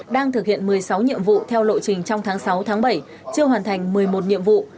đang thực hiện một mươi sáu nhiệm vụ theo lộ trình trong tháng sáu tháng bảy chưa hoàn thành một mươi một nhiệm vụ